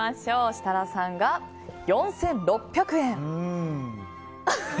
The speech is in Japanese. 設楽さんが４６００円。